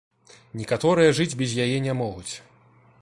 Некаторыя жыць без яе не могуць.